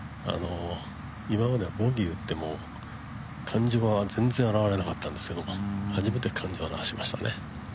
今まではボギーを打っても、感情が全然表れなかったんですけど、初めて感情をあらわしましたね。